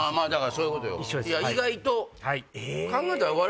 だからそういうことよ。